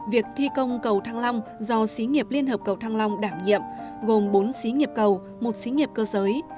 việc thi công cầu thăng long do xí nghiệp liên hợp cầu thăng long đảm nhiệm gồm bốn xí nghiệp cầu một xí nghiệp cơ giới